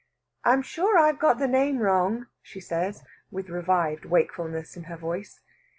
"I'm sure I've got the name wrong," she says, with revived wakefulness in her voice.